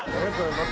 また。